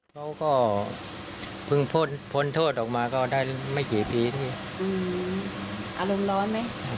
เขาก็เพิ่งพ้นพ้นโทษออกมาก็ได้ไม่กี่ปีพี่อารมณ์ร้อนไหม